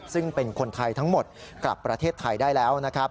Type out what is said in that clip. ซึ่งเป็นคนไทยทั้งหมดกลับประเทศไทยได้แล้วนะครับ